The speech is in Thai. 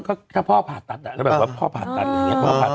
ก็พ่อผ่าตัดอะแล้วแบบว่าพ่อผ่าตัดอย่างงี้